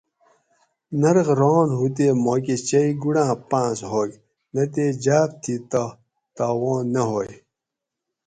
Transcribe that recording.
نرخ ران ہُو تے ماکہ چئی گُڑاۤں پاۤنس ہوگ نہ تے جاۤب تھی تہ تاوان نہ ہوئے